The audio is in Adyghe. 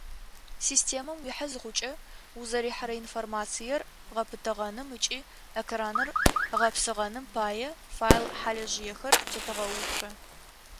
Системэм уихьэ зыхъукӏэ, узэрихьэрэ информациер гъэпытэгъэным ыкӏи экраныр гъэпсыгъэным пае, файл хьалыжъыехэр тетэгъэуцо.